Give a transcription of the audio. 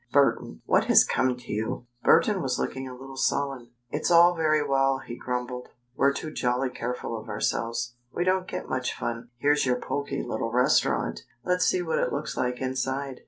Burton, what has come to you?" Burton was looking a little sullen. "It's all very well," he grumbled. "We're too jolly careful of ourselves. We don't get much fun. Here's your poky little restaurant. Let's see what it looks like inside."